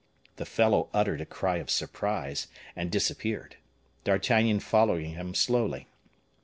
The fellow uttered a cry of surprise, and disappeared; D'Artagnan following him slowly.